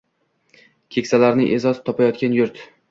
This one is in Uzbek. Keksalari e’zoz topayotgan yurt